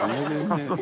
あっそう？